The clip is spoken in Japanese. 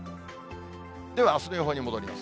ではあすの予報に戻ります。